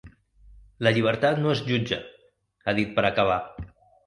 La llibertat no es jutja, ha dit per acabar.